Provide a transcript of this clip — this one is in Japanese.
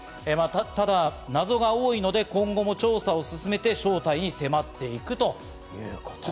ただ謎が多いので、今後も調査を進めて正体に迫っていくということです。